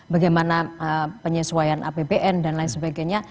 bagaimana penyesuaian apbn dan lain sebagainya